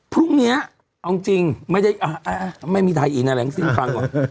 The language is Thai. พรุ่งนี้เอาจริงไม่ได้ไม่มีไทยอีกแหล่งสิ้นครั้ง